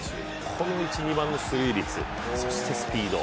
この１・２番の出塁率、そしてスピード